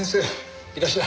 いらっしゃい。